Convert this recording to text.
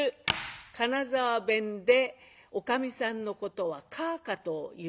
金沢弁でおかみさんのことは「かあか」と言うんだそうです。